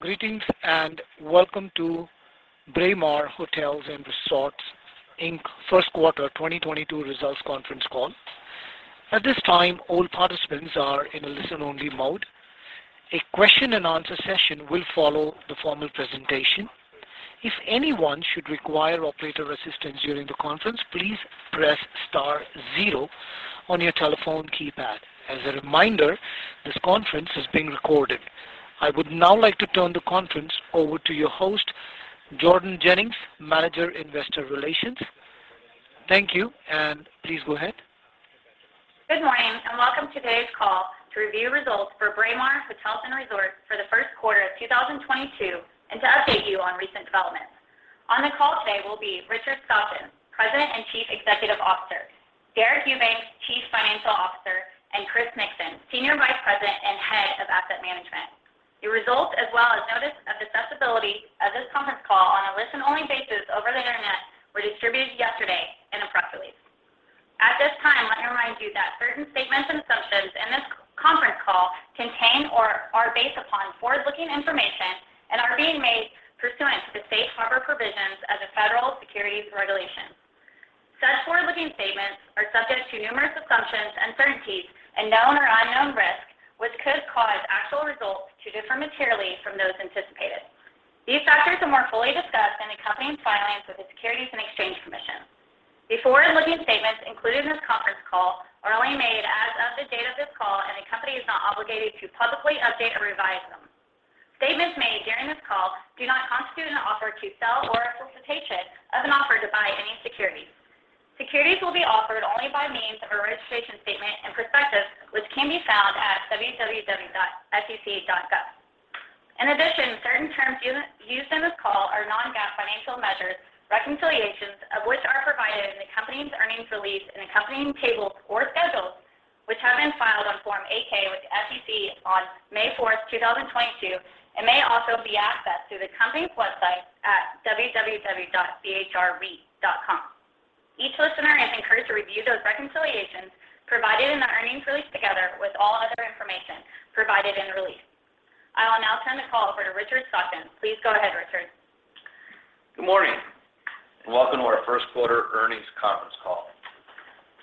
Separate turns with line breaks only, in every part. Greetings and welcome to Braemar Hotels & Resorts Inc. first quarter 2022 results conference call. At this time, all participants are in a listen-only mode. A question and answer session will follow the formal presentation. If anyone should require operator assistance during the conference, please press star zero on your telephone keypad. As a reminder, this conference is being recorded. I would now like to turn the conference over to your host, Jordan Jennings, Manager, Investor Relations. Thank you, and please go ahead.
Good morning, and welcome to today's call to review results for Braemar Hotels & Resorts for the first quarter of 2022, and to update you on recent developments. On the call today will be Richard Stockton, President and Chief Executive Officer, Deric Eubanks, Chief Financial Officer, and Chris Nixon, Senior Vice President and Head of Asset Management. Your results, as well as notice of accessibility of this conference call on a listen-only basis over the Internet, were distributed yesterday in a press release. At this time, let me remind you that certain statements and assumptions in this conference call contain or are based upon forward-looking information and are being made pursuant to the Safe Harbor provisions of the Federal Securities Regulation. Such forward-looking statements are subject to numerous assumptions, uncertainties, and known or unknown risks, which could cause actual results to differ materially from those anticipated. These factors are more fully discussed in the company's filings with the Securities and Exchange Commission. The forward-looking statements included in this conference call are only made as of the date of this call, and the company is not obligated to publicly update or revise them. Statements made during this call do not constitute an offer to sell or a solicitation of an offer to buy any securities. Securities will be offered only by means of a registration statement and prospectus, which can be found at www.sec.gov. In addition, certain terms used in this call are non-GAAP financial measures, reconciliations of which are provided in the company's earnings release in accompanying tables or schedules which have been filed on Form 8-K with the SEC on May 4th, 2022, and may also be accessed through the company's website at www.bhrreit.com. Each listener is encouraged to review those reconciliations provided in the earnings release together with all other information provided in the release. I will now turn the call over to Richard Stockton. Please go ahead, Richard.
Good morning, and welcome to our first quarter earnings conference call.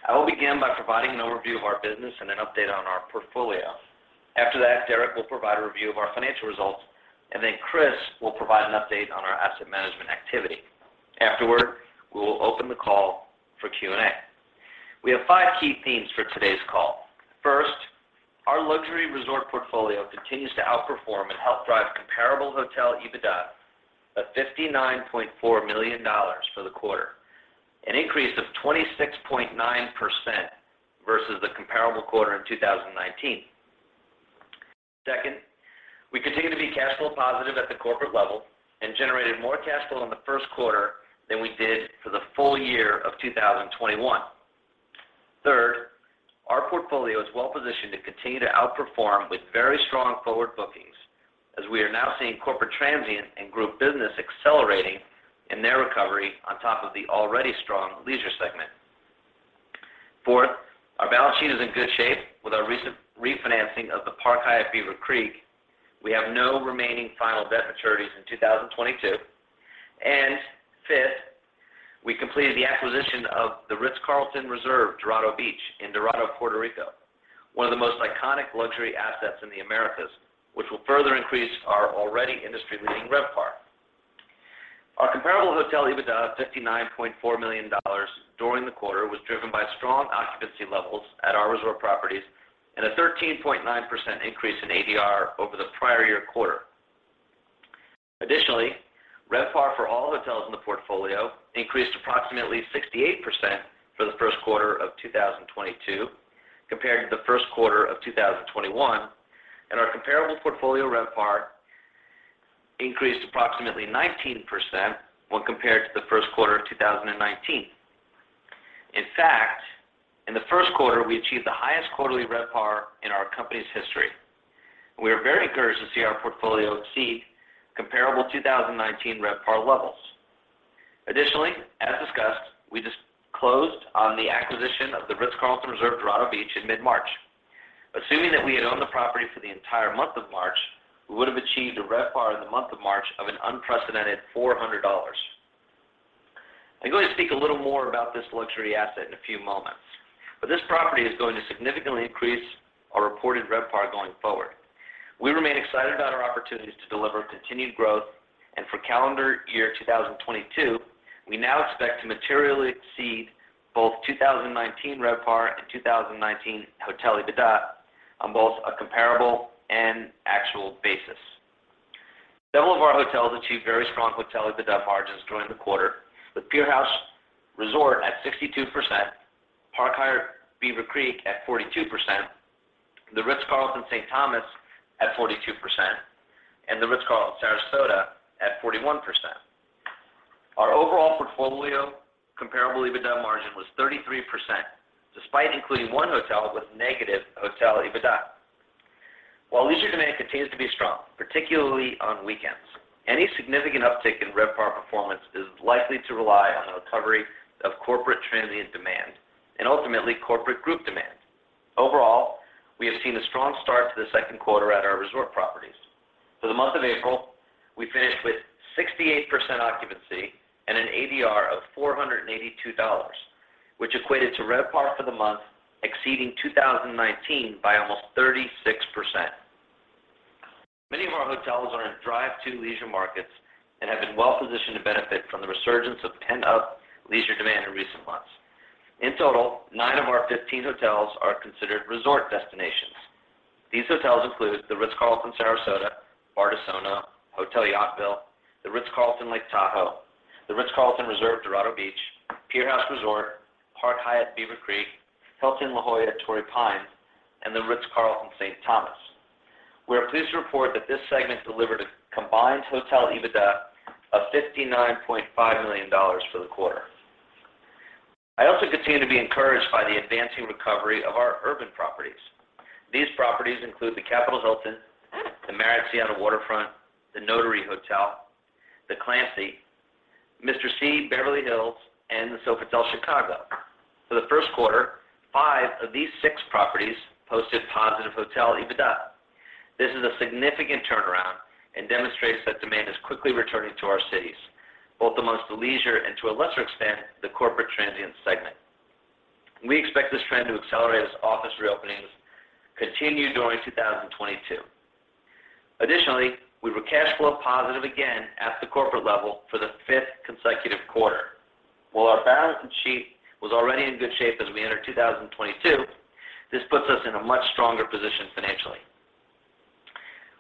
I will begin by providing an overview of our business and an update on our portfolio. After that, Deric will provide a review of our financial results, and then Chris will provide an update on our asset management activity. Afterward, we will open the call for Q&A. We have five key themes for today's call. First, our luxury resort portfolio continues to outperform and help drive comparable hotel EBITDA of $59.4 million for the quarter, an increase of 26.9% versus the comparable quarter in 2019. Second, we continue to be cash flow positive at the corporate level and generated more cash flow in the first quarter than we did for the full year of 2021. Third, our portfolio is well-positioned to continue to outperform with very strong forward bookings as we are now seeing corporate transient and group business accelerating in their recovery on top of the already strong leisure segment. Fourth, our balance sheet is in good shape with our recent refinancing of the Park Hyatt Beaver Creek. We have no remaining final debt maturities in 2022. Fifth, we completed the acquisition of the Ritz-Carlton Reserve Dorado Beach in Dorado, Puerto Rico, one of the most iconic luxury assets in the Americas, which will further increase our already industry-leading RevPAR. Our comparable hotel EBITDA of $59.4 million during the quarter was driven by strong occupancy levels at our resort properties and a 13.9% increase in ADR over the prior-year quarter. RevPAR for all hotels in the portfolio increased approximately 68% for the first quarter of 2022 compared to the first quarter of 2021, and our comparable portfolio RevPAR increased approximately 19% when compared to the first quarter of 2019. In fact, in the first quarter, we achieved the highest quarterly RevPAR in our company's history. We are very encouraged to see our portfolio exceed comparable 2019 RevPAR levels. Additionally, as discussed, we just closed on the acquisition of the Ritz-Carlton Reserve Dorado Beach in mid-March. Assuming that we had owned the property for the entire month of March, we would have achieved a RevPAR in the month of March of an unprecedented $400. I'm going to speak a little more about this luxury asset in a few moments, but this property is going to significantly increase our reported RevPAR going forward. We remain excited about our opportunities to deliver continued growth. For calendar year 2022, we now expect to materially exceed both 2019 RevPAR and 2019 hotel EBITDA on both a comparable and actual basis. Several of our hotels achieved very strong hotel EBITDA margins during the quarter, with Pier House Resort & Spa at 62%, Park Hyatt Beaver Creek Resort & Spa at 42%, The Ritz-Carlton, St. Thomas at 42%, and The Ritz-Carlton, Sarasota at 41%. Our overall portfolio comparable EBITDA margin was 33%, despite including one hotel with negative hotel EBITDA. While leisure demand continues to be strong, particularly on weekends, any significant uptick in RevPAR performance is likely to rely on a recovery of corporate transient demand and ultimately corporate group demand. Overall, we have seen a strong start to the second quarter at our resort properties. For the month of April, we finished with 68% occupancy and an ADR of $482, which equated to RevPAR for the month exceeding 2019 by almost 36%. Many of our hotels are in drive-to leisure markets and have been well positioned to benefit from the resurgence of pent-up leisure demand in recent months. In total, nine of our 15 hotels are considered resort destinations. These hotels include The Ritz-Carlton, Sarasota, Bardessono, Hotel Yountville, The Ritz-Carlton, Lake Tahoe, The Ritz-Carlton Reserve, Dorado Beach, Pier House Resort & Spa, Park Hyatt Beaver Creek, Hilton La Jolla Torrey Pines, and The Ritz-Carlton, St. Thomas. We are pleased to report that this segment delivered a combined hotel EBITDA of $59.5 million for the quarter. I also continue to be encouraged by the advancing recovery of our urban properties. These properties include the Capital Hilton, the Seattle Marriott Waterfront, The Notary Hotel, The Clancy, Mr. C Beverly Hills, and the Sofitel Chicago Magnificent Mile. For the first quarter, five of these six properties posted positive hotel EBITDA. This is a significant turnaround and demonstrates that demand is quickly returning to our cities, both amongst the leisure and to a lesser extent, the corporate transient segment. We expect this trend to accelerate as office reopenings continue during 2022. Additionally, we were cash flow positive again at the corporate level for the fifth consecutive quarter. While our balance sheet was already in good shape as we entered 2022, this puts us in a much stronger position financially.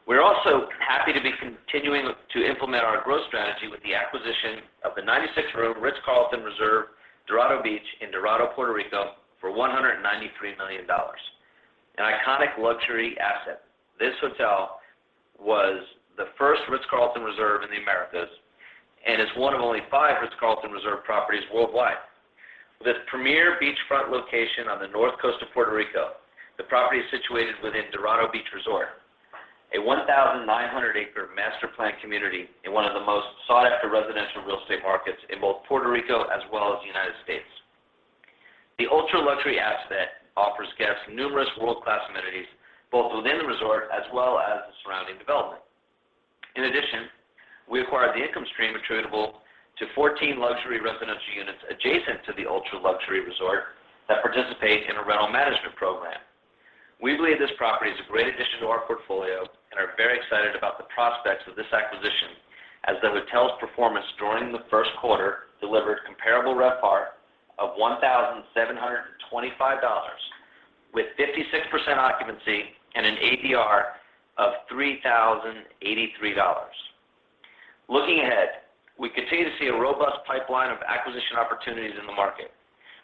We're also happy to be continuing to implement our growth strategy with the acquisition of the 96-room Dorado Beach, a Ritz-Carlton Reserve in Dorado, Puerto Rico for $193 million. An iconic luxury asset, this hotel was the first Ritz-Carlton Reserve in the Americas, and is one of only five Ritz-Carlton Reserve properties worldwide. With a premier beachfront location on the North Coast of Puerto Rico, the property is situated within Dorado Beach Resort, a 1,900-acre master plan community in one of the most sought after residential real estate markets in both Puerto Rico as well as the United States. The ultra-luxury asset offers guests numerous world-class amenities, both within the resort as well as the surrounding development. In addition, we acquired the income stream attributable to 14 luxury residential units adjacent to the ultra-luxury resort that participate in a rental management program. We believe this property is a great addition to our portfolio and are very excited about the prospects of this acquisition as the hotel's performance during the first quarter delivered comparable RevPAR of $1,725 with 56% occupancy and an ADR of $3,083. Looking ahead, we continue to see a robust pipeline of acquisition opportunities in the market.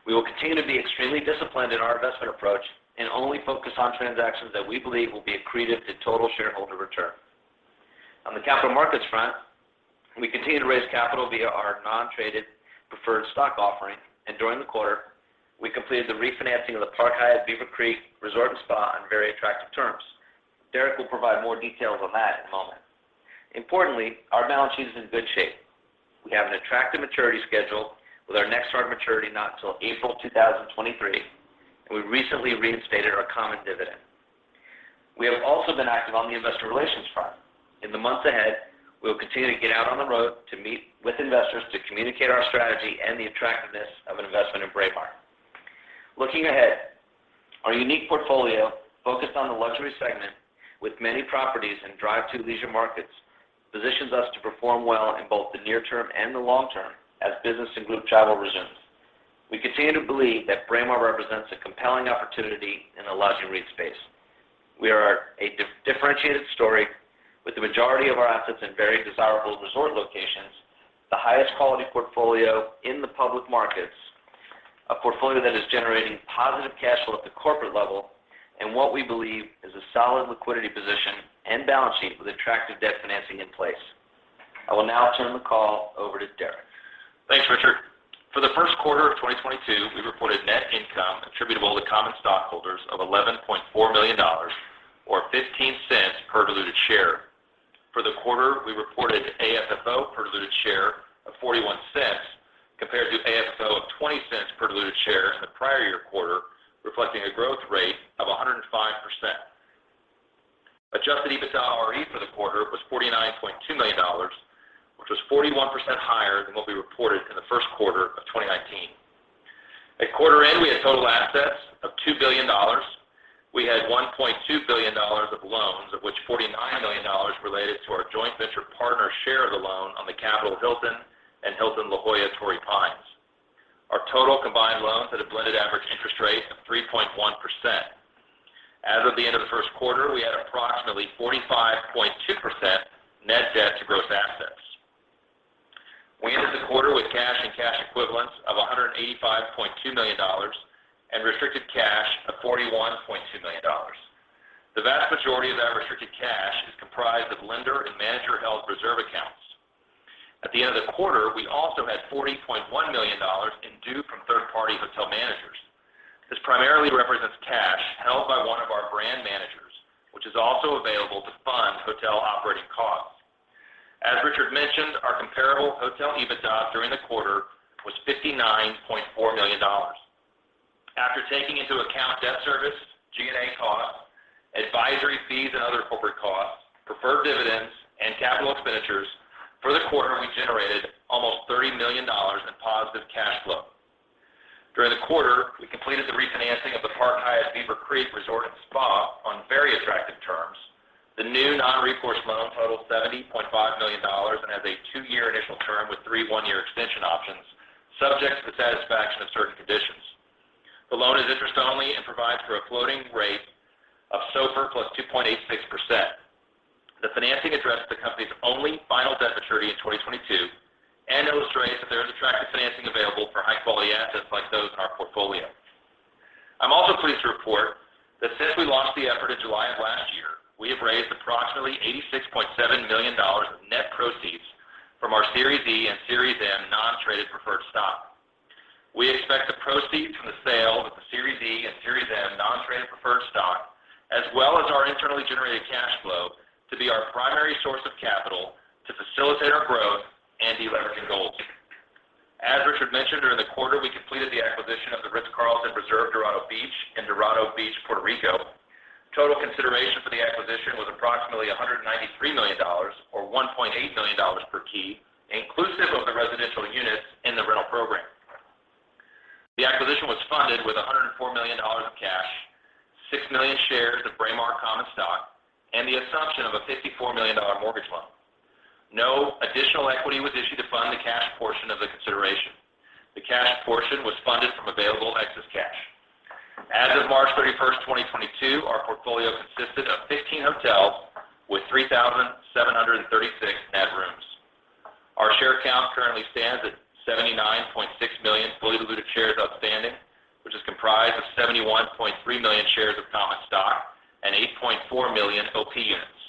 We will continue to be extremely disciplined in our investment approach and only focus on transactions that we believe will be accretive to total shareholder return. On the capital markets front, we continue to raise capital via our non-traded preferred stock offering, and during the quarter, we completed the refinancing of the Park Hyatt Beaver Creek Resort & Spa on very attractive terms. Deric will provide more details on that in a moment. Importantly, our balance sheet is in good shape. We have an attractive maturity schedule with our next hard maturity not till April 2023, and we recently reinstated our common dividend. We have also been active on the investor relations front. In the months ahead, we will continue to get out on the road to meet with investors to communicate our strategy and the attractiveness of an investment in Braemar. Looking ahead, our unique portfolio focused on the luxury segment with many properties in drive to leisure markets positions us to perform well in both the near term and the long term as business and group travel resumes. We continue to believe that Braemar represents a compelling opportunity in the luxury REIT space. We are a differentiated story with the majority of our assets in very desirable resort locations, the highest quality portfolio in the public markets, a portfolio that is generating positive cash flow at the corporate level, and what we believe is a solid liquidity position and balance sheet with attractive debt financing in place. I will now turn the call over to Deric.
Thanks, Richard. For the first quarter of 2022, we reported net income attributable to common stockholders of $11.4 million or $0.15 per diluted share. For the quarter, we reported AFFO per diluted share of $0.41 compared to AFFO of $0.20 per diluted share in the prior year quarter, reflecting a growth rate of 105%. Adjusted EBITDAre for the quarter was $49.2 million, which was 41% higher than what we reported in the first quarter of 2019. At quarter end, we had total assets of $2 billion. We had $1.2 billion of loans, of which $49 million related to our joint venture partner share of the loan on the Capital Hilton and Hilton La Jolla Torrey Pines. Our total combined loans had a blended average interest rate of 3.1%. As of the end of the first quarter, we had approximately 45.2% net debt to gross assets. We ended the quarter with cash and cash equivalents of $185.2 million and restricted cash of $41.2 million. The vast majority of that restricted cash is comprised of lender- and manager-held reserve accounts. At the end of the quarter, we also had $40.1 million in due from third-party hotel managers. This primarily represents cash held by one of our brand managers. Hotel EBITDA during the quarter was $59.4 million. After taking into account debt service, G&A costs, advisory fees, and other corporate costs, preferred dividends, and capital expenditures for the quarter, we generated almost $30 million in positive cash flow. During the quarter, we completed the refinancing of the Park Hyatt Beaver Creek Resort & Spa on very attractive terms. The new non-recourse loan totals $70.5 million and has a two-year initial term with three one-year extension options, subject to the satisfaction of certain conditions. The loan is interest-only and provides for a floating rate of SOFR plus 2.86%. The financing addressed the company's only final debt maturity in 2022 and illustrates that there is attractive financing available for high-quality assets like those in our portfolio. I'm also pleased to report that since we launched the effort in July of last year, we have raised approximately $86.7 million of net proceeds from our Series D and Series M non-traded preferred stock. We expect the proceeds from the sale of the Series D and Series M non-traded preferred stock, as well as our internally generated cash flow, to be our primary source of capital to facilitate our growth and deleveraging goals. As Richard mentioned, during the quarter, we completed the acquisition of the Ritz-Carlton Reserve Dorado Beach in Dorado Beach, Puerto Rico. Total consideration for the acquisition was approximately $193 million or $1.8 million per key, inclusive of the residential units in the rental program. The acquisition was funded with $104 million in cash, 6 million shares of Braemar common stock, and the assumption of a $54 million mortgage loan. No additional equity was issued to fund the cash portion of the consideration. The cash portion was funded from available excess cash. As of March 31, 2022, our portfolio consisted of 15 hotels with 3,736 net rooms. Our share count currently stands at 79.6 million fully diluted shares outstanding, which is comprised of 71.3 million shares of common stock and 8.4 million OP units.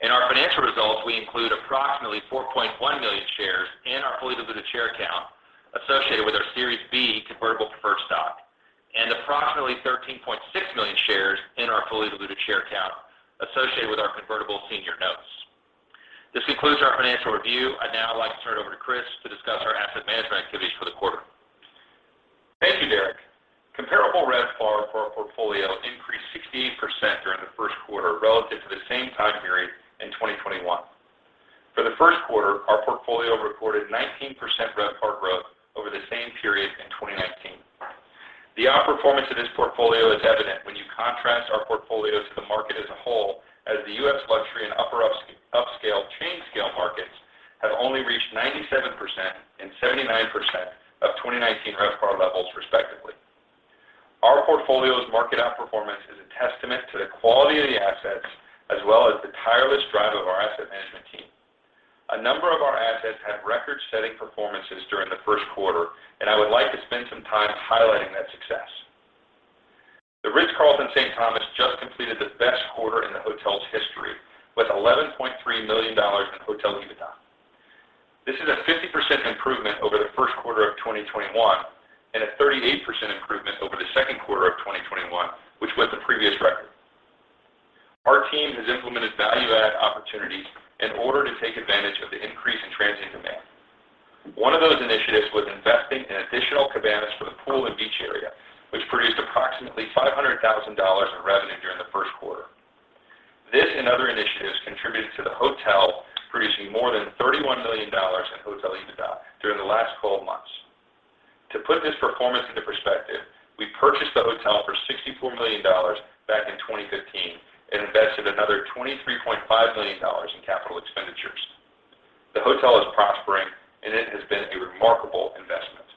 In our financial results, we include approximately 4.1 million shares in our fully diluted share count associated with our Series B convertible preferred stock and approximately 13.6 million shares in our fully diluted share count associated with our convertible senior notes. This concludes our financial review. I'd now like to turn it over to Chris to discuss our asset management activities for the quarter.
Thank you, Deric. Comparable RevPAR for our portfolio increased 16% during the first quarter relative to the same time period in 2021. For the first quarter, our portfolio reported 19% RevPAR growth over the same period in 2019. The outperformance of this portfolio is evident when you contrast our portfolio to the market as a whole as the U.S. luxury and upper upscale chain scale markets have only reached 97% and 79% of 2019 RevPAR levels, respectively. Our portfolio's market outperformance is a testament to the quality of the assets as well as the tireless drive of our asset management team. A number of our assets had record-setting performances during the first quarter, and I would like to spend some time highlighting that success. The Ritz-Carlton St. Thomas just completed the best quarter in the hotel's history with $11.3 million in hotel EBITDA. This is a 50% improvement over the first quarter of 2021 and a 38% improvement over the second quarter of 2021, which was the previous record. Our team has implemented value-add opportunities in order to take advantage of the increase in transient demand. One of those initiatives was investing in additional cabanas for the pool and beach area, which produced approximately $500,000 in revenue during the first quarter. This and other initiatives contributed to the hotel producing more than $31 million in hotel EBITDA during the last 12 months. To put this performance into perspective, we purchased the hotel for $64 million back in 2015 and invested another $23.5 million in capital expenditures. The hotel is prospering, and it has been a remarkable investment.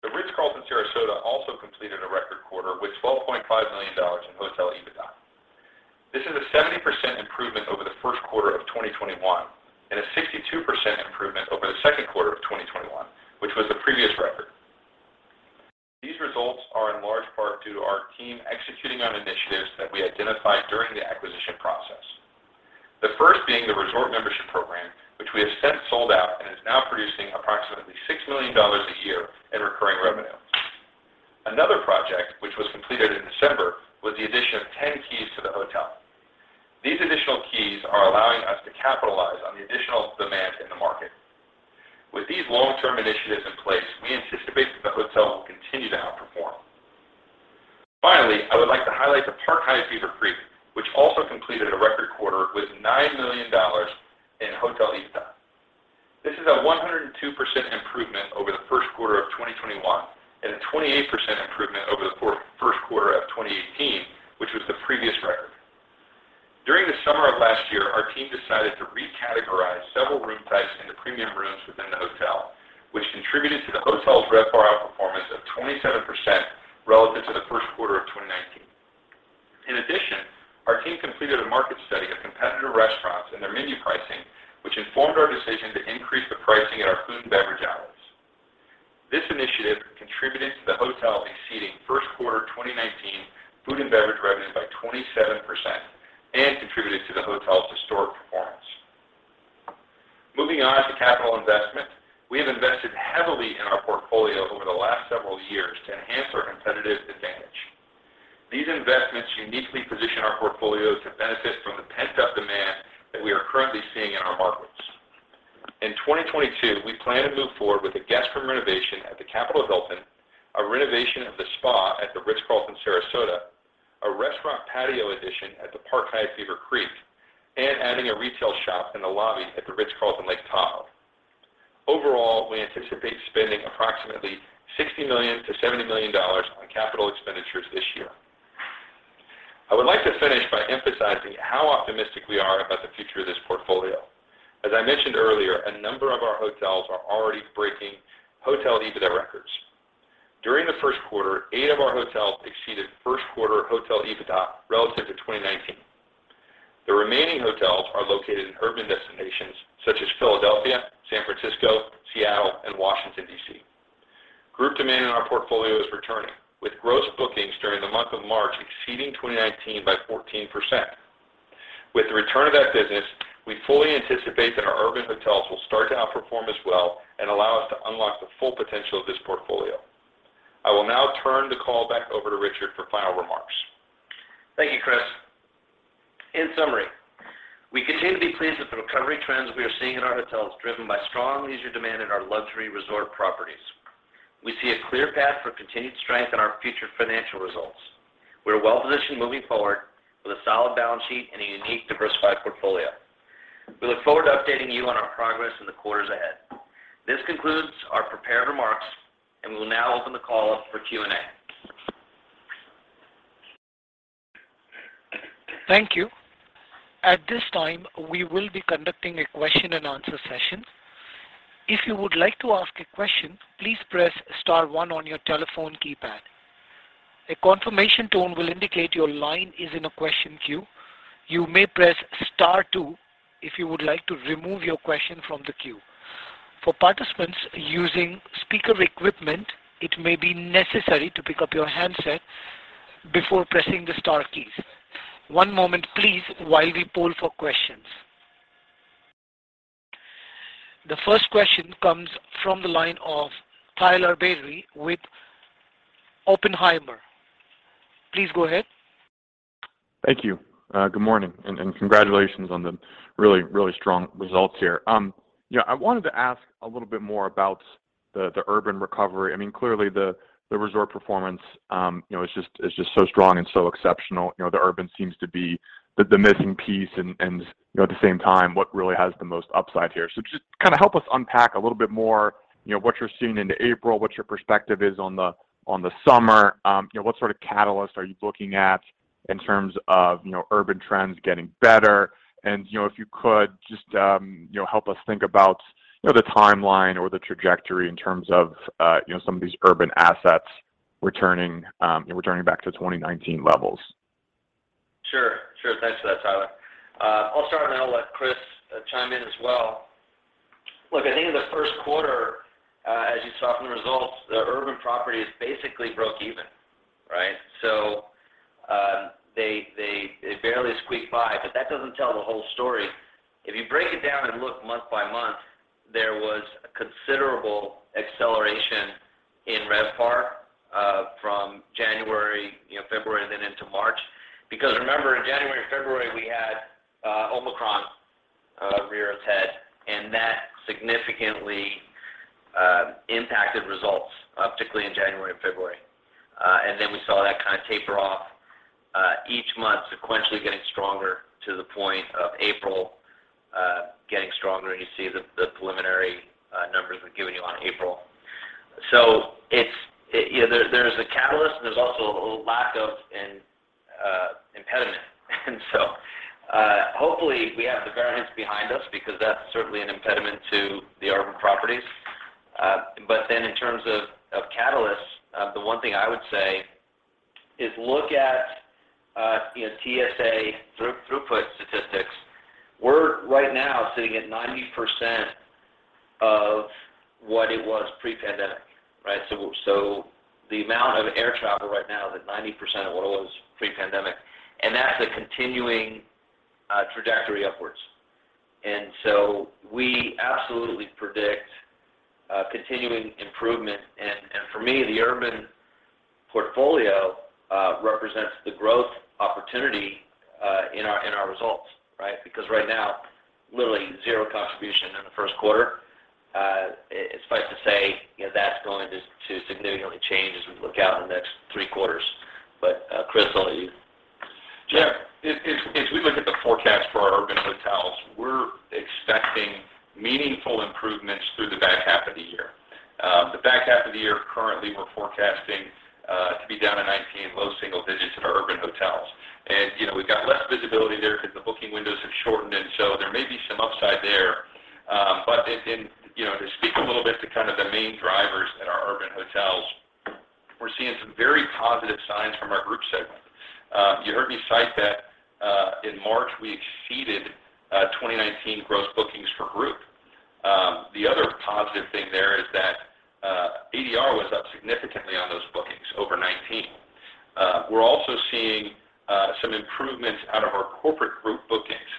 The Ritz-Carlton, Sarasota also completed a record quarter with $12.5 million in hotel EBITDA. This is a 70% improvement over the first quarter of 2021 and a 62% improvement over the second quarter of 2021, which was the previous record. These results are in large part due to our team executing on initiatives that we identified during the acquisition process. The first being the resort membership program, which we have since sold out and is now producing approximately $6 million a year in recurring revenue. Another project, which was completed in December, was the addition of 10 keys to the hotel. These additional keys are allowing us to capitalize on the additional demand in the market. With these long-term initiatives in place, we anticipate that the hotel will continue to outperform. Finally, I would like to highlight the Park Hyatt Beaver Creek, which also completed a record quarter with $9 million in hotel EBITDA. This is a 102% improvement over the first quarter of 2021 and a 28% improvement over the first quarter of 2018, which was the previous record. During the summer of last year, our team decided to recategorize several room types into premium rooms within the hotel, which contributed to the hotel's RevPAR outperformance of 27% relative to the first quarter of 2019. In addition, our team completed a market study of competitor restaurants and their menu pricing, which informed our decision to increase the pricing at our food and beverage outlets. This initiative contributed to the hotel exceeding first-quarter 2019 food and beverage revenue by 27% and contributed to the hotel's historic performance. Moving on to capital investment. We have invested heavily in our portfolio over the last several years to enhance our competitive advantage. These investments uniquely position our portfolio to benefit from the pent-up demand that we are currently seeing in our markets. In 2022, we plan to move forward with a guest room renovation at the Capital Hilton, a renovation of the spa at the Ritz-Carlton, Sarasota, a restaurant patio addition at the Park Hyatt Beaver Creek, and adding a retail shop in the lobby at the Ritz-Carlton, Lake Tahoe. Overall, we anticipate spending approximately $60 million-$70 million on capital expenditures this year. I would like to finish by emphasizing how optimistic we are about the future of this portfolio. As I mentioned earlier, a number of our hotels are already breaking hotel EBITDA records. During the first quarter, eight of our hotels exceeded first quarter hotel EBITDA relative to 2019. The remaining hotels are located in urban destinations such as Philadelphia, San Francisco, Seattle, and Washington, D.C. Group demand in our portfolio is returning, with gross bookings during the month of March exceeding 2019 by 14%. With the return of that business, we fully anticipate that our urban hotels will start to outperform as well and allow us to unlock the full potential of this portfolio. I will now turn the call back over to Richard for final remarks.
Thank you, Chris. In summary, we continue to be pleased with the recovery trends we are seeing in our hotels, driven by strong leisure demand in our luxury resort properties. We see a clear path for continued strength in our future financial results. We are well positioned moving forward with a solid balance sheet and a unique, diversified portfolio. We look forward to updating you on our progress in the quarters ahead. This concludes our prepared remarks, and we will now open the call up for Q&A.
Thank you. At this time, we will be conducting a question and answer session. If you would like to ask a question, please press star one on your telephone keypad. A confirmation tone will indicate your line is in a question queue. You may press star two if you would like to remove your question from the queue. For participants using speaker equipment, it may be necessary to pick up your handset before pressing the star keys. One moment, please, while we poll for questions. The first question comes from the line of Tyler Batory with Oppenheimer. Please go ahead.
Thank you. Good morning and congratulations on the really strong results here. You know, I wanted to ask a little bit more about the urban recovery. I mean, clearly the resort performance, you know, is just so strong and so exceptional. You know, the urban seems to be the missing piece and, you know, at the same time, what really has the most upside here. Just kind of help us unpack a little bit more, you know, what you're seeing into April, what your perspective is on the summer. You know, what sort of catalyst are you looking at in terms of, you know, urban trends getting better? You know, if you could just, you know, help us think about, you know, the timeline or the trajectory in terms of some of these urban assets returning back to 2019 levels.
Sure, sure. Thanks for that, Tyler. I'll start, and then I'll let Chris chime in as well. Look, I think in the first quarter, as you saw from the results, the urban properties basically broke even, right? So, they barely squeaked by, but that doesn't tell the whole story. If you break it down and look month by month, there was a considerable acceleration in RevPAR, from January, you know, February, and then into March. Because remember, in January and February, we had Omicron rear its head, and that significantly impacted results, particularly in January and February. And then we saw that kind of taper off, each month sequentially getting stronger to the point of April, getting stronger. You see the preliminary numbers we've given you on April. It's a catalyst and there's also a lack of an impediment. Hopefully we have the variants behind us because that's certainly an impediment to the urban properties. In terms of catalysts, the one thing I would say is look at, you know, TSA throughput statistics. We're right now sitting at 90% of what it was pre-pandemic, right? The amount of air travel right now is at 90% of what it was pre-pandemic, and that's a continuing trajectory upwards. We absolutely predict continuing improvement. For me, the urban portfolio represents the growth opportunity in our results, right? Because right now, literally zero contribution in the first quarter. It's safe to say, you know, that's going to significantly change as we look out in the next three quarters. Chris, I'll let you...
Yeah. If we look at the forecast for our urban hotels, we're expecting meaningful improvements through the back half of the year. The back half of the year, currently we're forecasting to be down in 2019 low single digits% at our urban hotels. You know, we've got less visibility there because the booking windows have shortened, and so there may be some upside there. But in you know, to speak a little bit to kind of the main drivers in our urban hotels, we're seeing some very positive signs from our group segment. You heard me cite that in March we exceeded 2019 gross bookings for group. The other positive thing there is that ADR was up significantly on those bookings over 2019. We're also seeing corporate group bookings.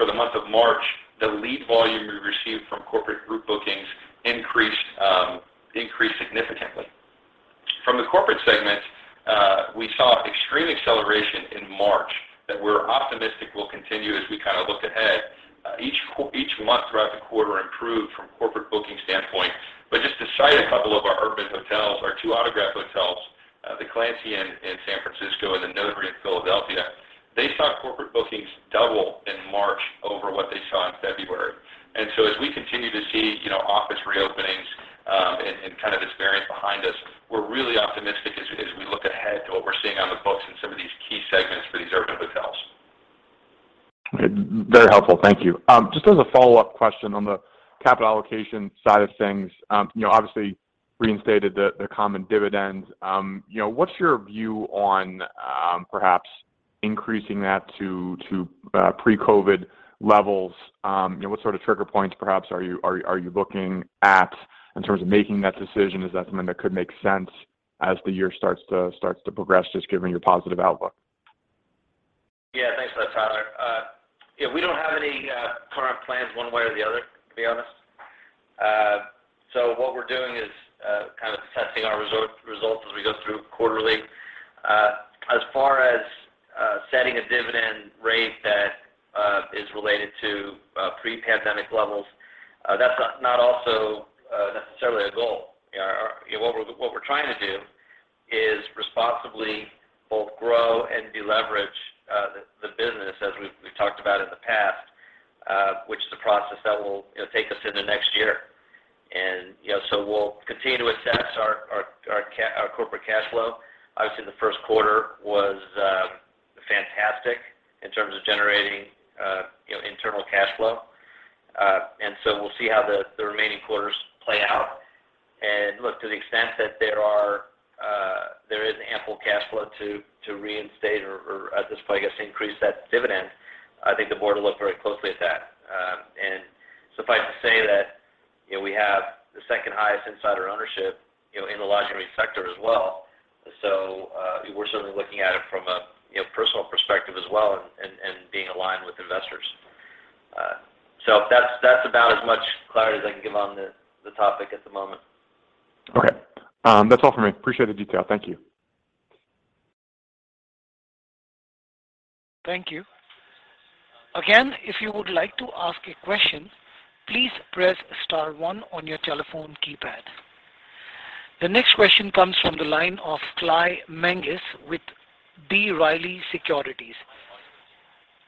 For the month of March, the lead volume we received from corporate group bookings increased significantly. From the corporate segment, we saw extreme acceleration in March that we're optimistic will continue as we kind of look ahead. Each month throughout the quarter improved from corporate booking standpoint. Just to cite a couple of our urban hotels, our two Autograph hotels, The Clancy in San Francisco and The Notary in Philadelphia, they saw corporate bookings double in March over what they saw in February. As we continue to see, you know, office reopenings, and kind of this variant behind us, we're really optimistic as we look ahead to what we're seeing on the books in some of these key segments for these urban hotels.
Very helpful. Thank you. Just as a follow-up question on the capital allocation side of things, you know, obviously reinstated the common dividends. You know, what's your view on perhaps increasing that to pre-COVID levels? You know, what sort of trigger points perhaps are you looking at in terms of making that decision? Is that something that could make sense as the year starts to progress, just given your positive outlook?
Yeah. Thanks for that, Tyler. Yeah, we don't have any current plans one way or the other, to be honest. What we're doing is kind of testing our resort results as we go through quarterly. As far as setting a dividend rate that is related to pre-pandemic levels, that's not also necessarily a goal. You know, what we're trying to do is responsibly both grow and deleverage the business as we've talked about in the past, which is a process that will take us into next year. You know, we'll continue to assess our corporate cash flow. Obviously, the first quarter was fantastic in terms of generating internal cash flow.
We'll see how the remaining quarters play out. Look, to the extent that there is ample cash flow to reinstate or at this point, I guess, increase that dividend, I think the board will look very closely at that. Suffice to say that, you know, we have the second highest insider ownership, you know, in the lodging sector as well. We're certainly looking at it from a, you know, personal perspective as well and being aligned with investors. That's about as much clarity as I can give on the topic at the moment.
Okay. That's all for me. Appreciate the detail. Thank you.
Thank you. Again, if you would like to ask a question, please press star one on your telephone keypad. The next question comes from the line of Bryan Maher with B. Riley Securities.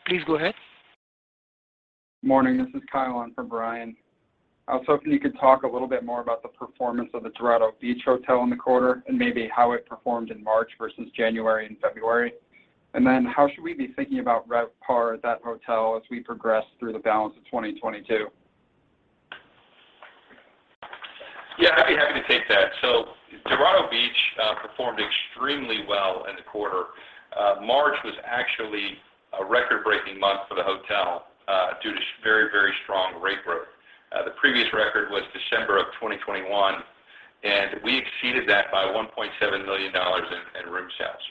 Please go ahead.
Morning. This is Kyle on for Bryan. I was hoping you could talk a little bit more about the performance of the Dorado Beach Hotel in the quarter, and maybe how it performed in March versus January and February. How should we be thinking about RevPAR at that hotel as we progress through the balance of 2022?
Yeah, I'd be happy to take that. Dorado Beach performed extremely well in the quarter. March was actually a record-breaking month for the hotel due to very, very strong rate growth. The previous record was December 2021, and we exceeded that by $1.7 million in room stays.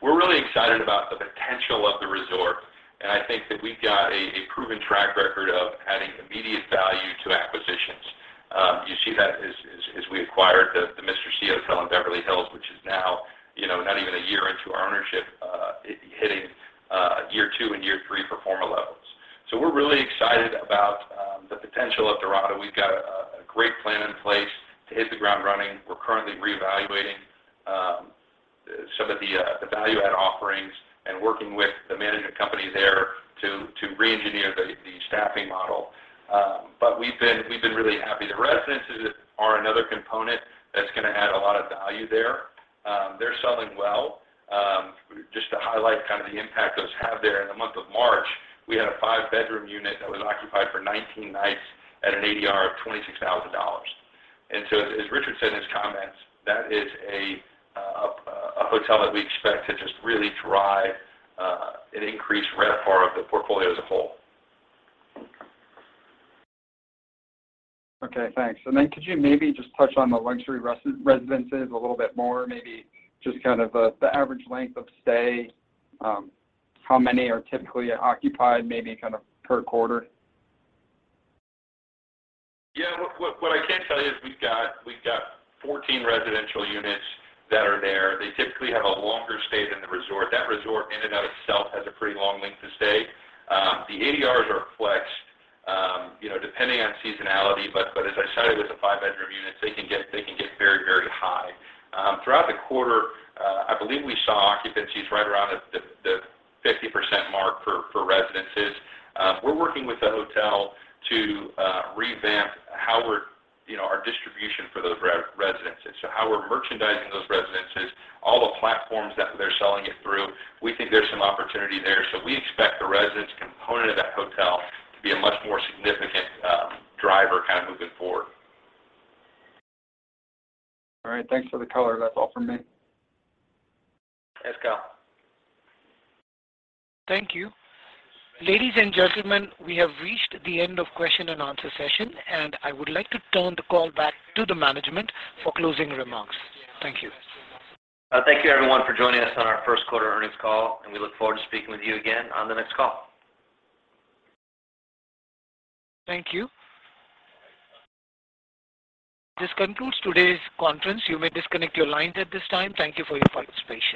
We're really excited about the potential of the resort, and I think that we've got a proven track record of adding immediate value to acquisitions. You see that as we acquired the Mr. C Beverly Hills Hotel, which is now, you know, not even a year into our ownership, it hitting year two and year three performer levels. We're really excited about the potential of Dorado. We've got a great plan in place to hit the ground running. We're currently reevaluating some of the value add offerings and working with the management company there to re-engineer the staffing model. But we've been really happy. The residences are another component that's gonna add a lot of value there. They're selling well. Just to highlight kind of the impact those have there, in the month of March, we had a five-bedroom unit that was occupied for 19 nights at an ADR of $26,000. As Richard said in his comments, that is a hotel that we expect to just really drive an increased RevPAR of the portfolio as a whole.
Okay, thanks. Then could you maybe just touch on the luxury residences a little bit more? Maybe just kind of the average length of stay, how many are typically occupied, maybe kind of per quarter?
Yeah. What I can tell you is we've got 14 residential units that are there. They typically have a longer stay than the resort. That resort in and of itself has a pretty long length of stay. The ADRs are flex, you know, depending on seasonality, but as I stated with the five-bedroom units, they can get very, very high. Throughout the quarter, I believe we saw occupancies right around the 50% mark for residences. We're working with the hotel to revamp how we're you know, our distribution for those residences. How we're merchandising those residences, all the platforms that they're selling it through. We think there's some opportunity there. We expect the residence component of that hotel to be a much more significant driver kind of moving forward.
All right. Thanks for the color. That's all for me.
Thanks, Kyle.
Thank you. Ladies and gentlemen, we have reached the end of question and answer session, and I would like to turn the call back to the management for closing remarks. Thank you.
Thank you everyone for joining us on our first quarter earnings call, and we look forward to speaking with you again on the next call.
Thank you. This concludes today's conference. You may disconnect your lines at this time. Thank you for your participation.